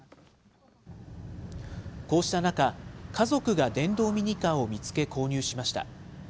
こうした中、家族が電動ミニカーを見つけ、購入しました。